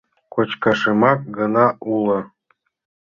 Кочкашемак гына уло.